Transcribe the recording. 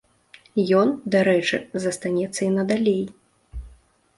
Ён, дарэчы, застанецца і надалей.